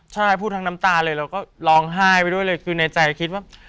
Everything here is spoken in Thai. ใช่พูดทั้งน้ำตาเลยแล้วก็ร้องไห้ไปด้วยเลยคือในใจคิดว่า